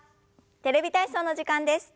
「テレビ体操」の時間です。